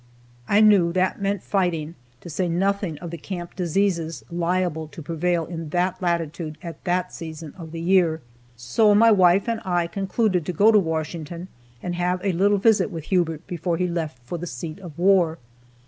I knew that meant fighting, to say nothing of the camp diseases liable to prevail in that latitude at that season of the year. So my wife and I concluded to go to Washington and have a little visit with Hubert before he left for the seat of war.